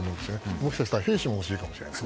もしかしたら兵士も欲しいかもしれない。